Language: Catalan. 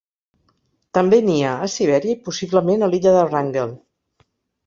També nia a Sibèria i possiblement a l'illa de Wrangel.